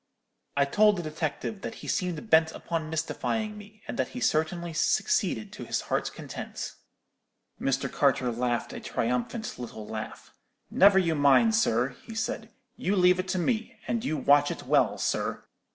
"I told the detective that he seemed bent upon mystifying me, and that he certainly succeeded to his heart's content. "Mr. Carter laughed a triumphant little laugh. "'Never you mind, sir,' he said; you leave it to me, and you watch it well, sir.